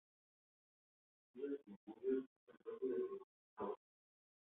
Escucha sus murmullos, el roce de sus ropas.